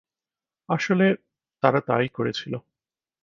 আসলে... তারা তা-ই করেছিল।